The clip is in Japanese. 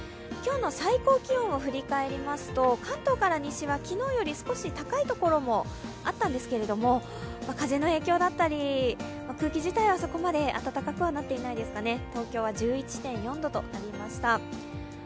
今日の最高気温を振り返りますと関東から西は昨日より少し高い所もあったんですが風の影響だったり空気自体はそこまで暖かくはなっていないですね、東京は１１．４度となりました。